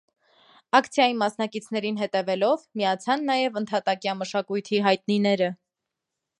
Ակցիայի մասնակիցներին հետևելով ՝ միացան նաև ընդհատակյա մշակույթի հայտնիները։